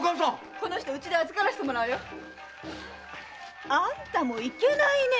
この人うちで預からせてもらうよ。あんたもいけないね。